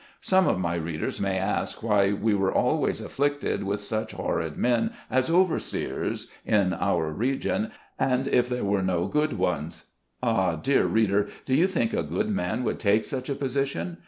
Some of my readers may ask why we were always afflicted with such horrid men, as overseers, in our region, and if there were no good ones. Ah, dear reader, do you think a good man would take such a position